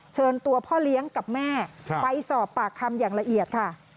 เชิญตัวพ่อเลี้ยงกับแม่ไปสอบปากคำอย่างละเอียดค่ะ